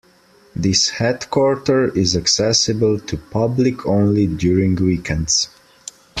This headquarter is accessible to public only during weekends.